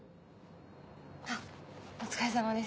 あっお疲れさまです。